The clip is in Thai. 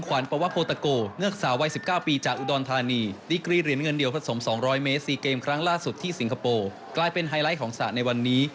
ก็เป็นการแรงของสัตว์ในวันนี้